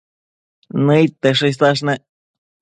Nëid tesho isash nec